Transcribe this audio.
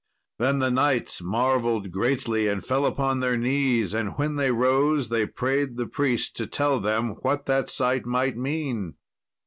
Then the knights marvelled greatly, and fell upon their knees, and when they rose they prayed the priest to tell them what that sight might mean.